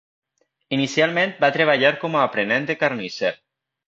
Inicialment va treballar com a aprenent de carnisser.